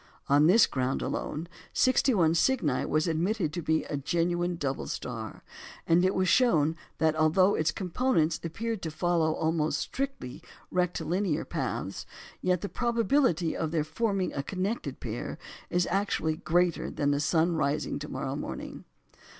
On this ground alone, 61 Cygni was admitted to be a genuine double star; and it was shown that, although its components appeared to follow almost strictly rectilinear paths, yet the probability of their forming a connected pair is actually greater than that of the sun rising to morrow morning.